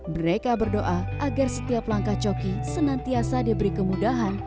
mereka berdoa agar setiap langkah coki senantiasa diberi kemudahan